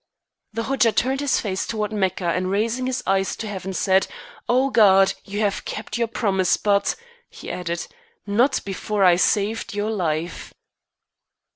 The Hodja turned his face toward Mecca and raising his eyes to heaven said, "Oh God, you have kept your promise, but," he added, "not before I saved your life."